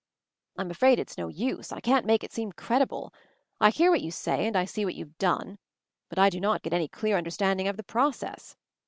"I'm afraid it's no use. I can't make it seem credible. I hear what you say and I see what you've done — but I do not get any clear understanding of the process.